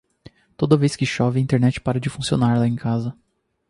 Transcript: Toda vez que chove a Internet para de funcionar lá em casa.